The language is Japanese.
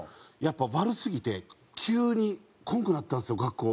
やっぱ悪すぎて急に来んくなったんですよ学校。